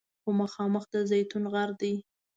خو مخامخ د زیتون غر دی.